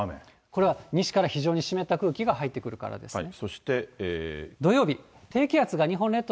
これは西から非常に湿った空気が入ってくるからですね。